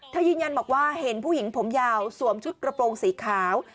ยืนยันบอกว่าเห็นผู้หญิงผมยาวสวมชุดกระโปรงสีขาว